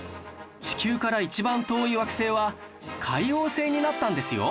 地球から一番遠い惑星は海王星になったんですよ